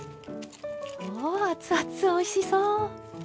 うわ熱々おいしそう！